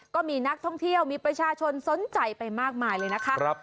ก็มีนักท่องเที่ยวมีประชาชนสนใจไปมากมายเลยนะคะ